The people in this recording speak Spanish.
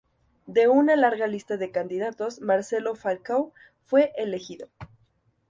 De una larga lista de candidatos, Marcelo Falcão fue elegido.